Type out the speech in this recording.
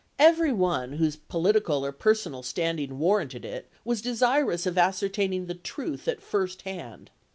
Every one whose political or personal standing warranted it was desirous of ascertaining the truth at first hand.